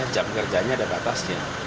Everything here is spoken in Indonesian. jam kerjanya ada batasnya